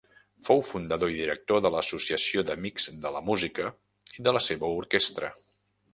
Fou fundador i director de l'Associació d'Amics de la Música i de la seva orquestra.